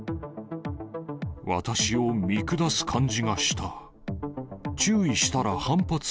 私を見下す感じがした。